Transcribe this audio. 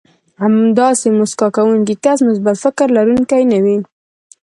همداسې مسکا کوونکی کس مثبت فکر لرونکی نه وي.